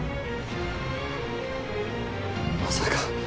まさか。